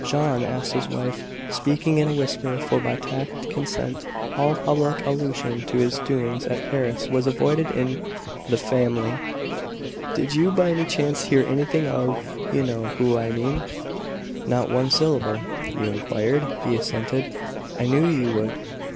"John," asked his wife, speaking in a whisper, for by tacit consent all public allusion to his doings at Paris was avoided in the family "did you, by any chance, hear anything of You know whom I mean?" "Not one syllable." "You inquired?" He assented. "I knew you would.